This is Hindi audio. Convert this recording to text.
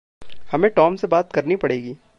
हमें टॉम से बात करनी पड़ेगी।